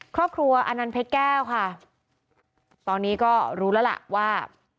ครอบครัวอานันเพชรแก้วค่ะตอนนี้ก็รู้แล้วล่ะว่า